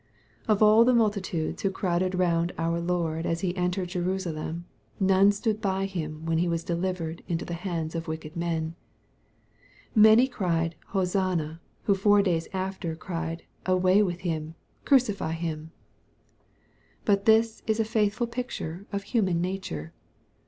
Of all the multitudes who crowded round our Lord as He entered Jerusalem, none stood by Him when He was delivered into the hands of wicked men. Many cried, Hosanna, who four days after cried, " away with Him, crucify Him." MATTHEW^ CHAP. XXI. 267 fiat this is a faithful picture of human nature.